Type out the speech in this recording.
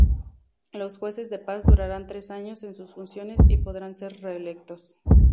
Los jueces de paz durarán tres años en sus funciones y podrán ser reelectos.